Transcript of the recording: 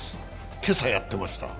今朝やってました。